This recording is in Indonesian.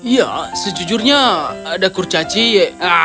ya sejujurnya ada kurcaci ya